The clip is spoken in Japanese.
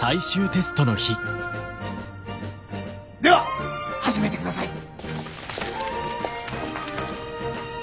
では始めてください。